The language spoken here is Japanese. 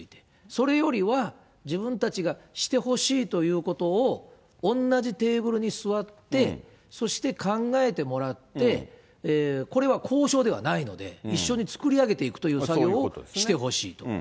それよりは、自分たちがしてほしいということを、同じテーブルに座って、そして考えてもらって、これは交渉ではないので、一緒に作り上げていくという作業をしてほしいと。